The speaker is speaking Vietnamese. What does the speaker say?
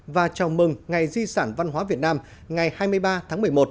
và chào mừng ngày di sản văn hóa việt nam ngày hai mươi ba tháng một mươi một